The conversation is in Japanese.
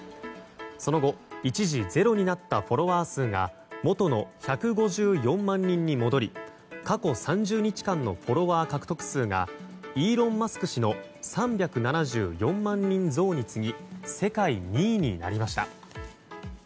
その後、一時ゼロになったフォロワー数が元の１５４万人に戻り過去３０日間のフォロワー獲得数がイーロン・マスク氏の３７４万人増に続き世界２位になりました。